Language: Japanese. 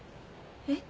えっ？